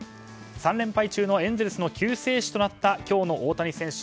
３連敗中のエンゼルスの救世主となった今日の大谷選手